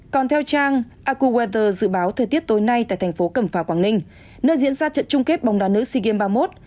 còn theo trang aku waters dự báo thời tiết tối nay tại thành phố cẩm phả quảng ninh nơi diễn ra trận chung kết bóng đá nữ sea games ba mươi một